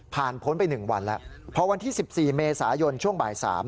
พ้นไป๑วันแล้วพอวันที่๑๔เมษายนช่วงบ่าย๓